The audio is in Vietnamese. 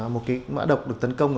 một cái mã độc được tấn công